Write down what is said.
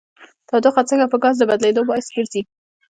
تودوخه څنګه په ګاز د بدلیدو باعث ګرځي؟